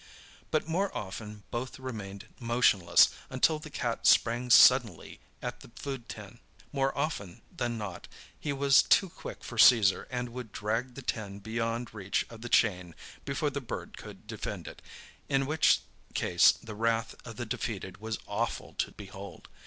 But more often both remained motionless until the cat sprang suddenly at the food tin. More often than not he was too quick for Caesar, and would drag the tin beyond reach of the chain before the bird could defend it, in which case the wrath of the defeated was awful to behold.